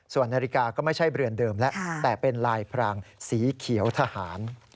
ส่วนนาฬิกาก็ไม่ใช่เรือนเดิมแล้วแต่เป็นลายพรางสีเขียวทหาร